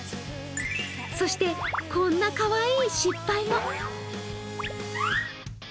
そして、こんなかわいい失敗も。